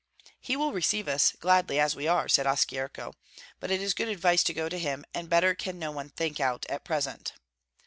"He will receive us gladly as we are," said Oskyerko. "But it is good advice to go to him, and better can no one think out at present."